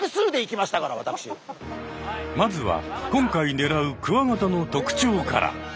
まずは今回ねらうクワガタの特徴から。